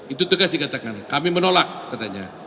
itu tegas dikatakan kami menolak katanya